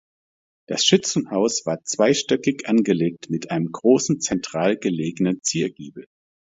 Das Schützenhaus war zweistöckig angelegt mit einem großen zentral gelegenen Ziergiebel.